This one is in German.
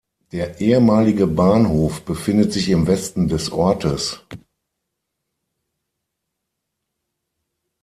Der ehemalige Bahnhof befindet sich im Westen des Ortes.